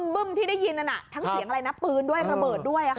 บึ้มที่ได้ยินนั้นทั้งเสียงอะไรนะปืนด้วยระเบิดด้วย